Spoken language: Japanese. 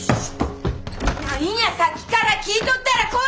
何やさっきから聞いとったら！